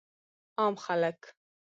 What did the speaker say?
عام خلک